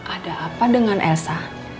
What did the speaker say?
ada apa dengan elsa